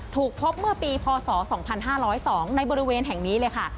ถูกพบเมื่อปีพศ๒๕๐๒ในบริเวณแห่งนี้เลยค่ะ